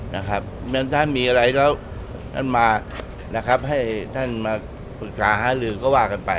นะครับแล้วถ้าท่านมีอะไรแล้วท่านมานะครับให้ท่านมาปรึกษาฮารือก็ว่ากันไป